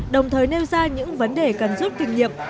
đồng thời nêu ra những vấn đề cần giúp kinh nghiệp